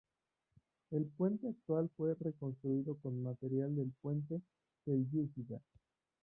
El puente actual fue reconstruido con material del puente selyúcida.